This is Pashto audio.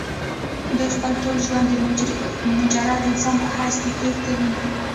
دوي خپل ټول ژوند د مجرد انسان پۀ حېث د کور کلي نه